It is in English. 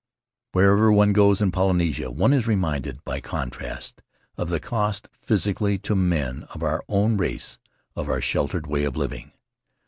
Wherever one goes in Polynesia one is reminded, by contrast, of the cost physically to men of our own race of our sheltered way of living.